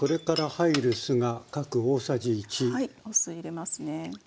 お酢入れますね。